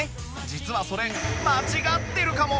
実はそれ間違ってるかも